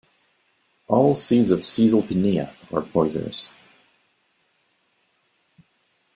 All seeds of "Caesalpinia" are poisonous.